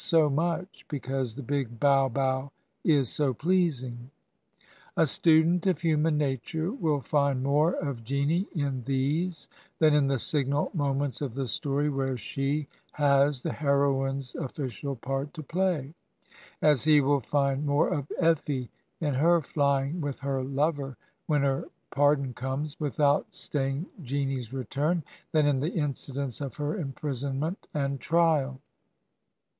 so much, because the big bow bow is so pleasing. A student of htmian nature will find more of Jeanie in these than in the signal moments of the story where she has the heroine's official part to play; as he wiU find more of Effie in her flying with her lover, when her par don comes, without staying Jeanie's return, than in the incidents of her imprisonment and trial.